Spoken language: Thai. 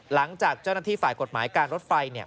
หลังจากเจ้าหน้าที่ฝ่ายกฎหมายการรถไฟเนี่ย